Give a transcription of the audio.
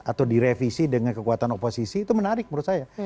atau direvisi dengan kekuatan oposisi itu menarik menurut saya